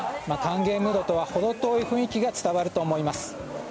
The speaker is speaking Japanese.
歓迎ムードとは程遠い雰囲気が伝わると思います。